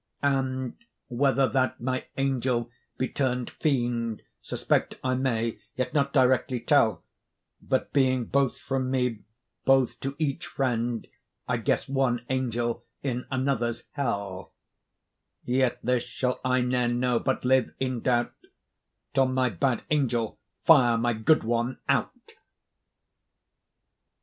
And whether that my angel be turn'd fiend, Suspect I may, yet not directly tell; But being both from me, both to each friend, I guess one angel in another's hell: Yet this shall I ne'er know, but live in doubt, Till my bad angel fire my good one out.